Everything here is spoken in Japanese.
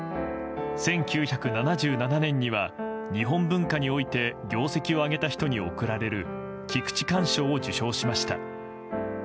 １９７７年には日本文化において業績を上げた人に贈られる菊池寛賞を受賞しました。